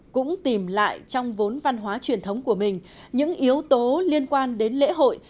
cũng tìm lại trong vốn văn hóa truyền thống của mình những yếu tố liên quan đến lễ hội